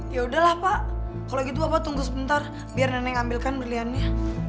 ya udahlah pak kalau gitu bapak tunggu sebentar biar neneng ambilkan berliannya